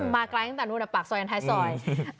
มาไกลตั้งแต่นู้นปากซอยอันท้ายซอย